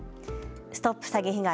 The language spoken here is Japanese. ＳＴＯＰ詐欺被害！